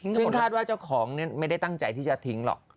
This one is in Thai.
ซึ่งคาดว่าเจ้าของไม่ได้ตั้งใจที่จะทิ้งหรอก